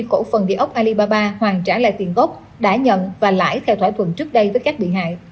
cổ phần địa ốc alibaba hoàn trả lại tiền gốc đã nhận và lãi theo thỏa thuận trước đây với các bị hại